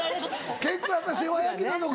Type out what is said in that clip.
結構やっぱり世話焼きなのか。